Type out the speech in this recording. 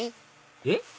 えっ？